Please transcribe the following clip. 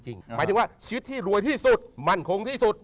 หมายถึงว่าชีวิตที่รวยที่สุดมั่นคงที่สุด